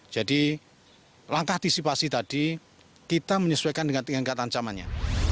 jadi langkah disipasi tadi kita menyesuaikan dengan ketancamannya